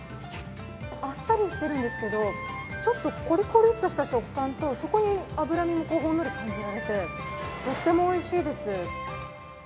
あっさりしてるんですけどちょっとコリコリとした食感とそこに脂身がほんのり感じられて、とってもおいしいです。